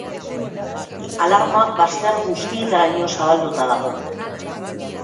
Alarma bazter guztietaraino zabalduta dago.